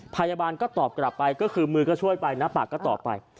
พยาบาลก็ตอบกลับไปก็คือมือก็ช่วยไปหน้าปากก็ตอบไป